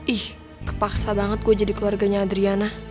ih kepaksa banget gue jadi keluarganya adriana